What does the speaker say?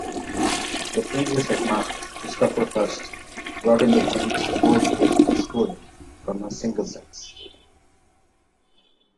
The previous headmaster, Christopher Hirst, brought in the change to co-educational schooling from single-sex.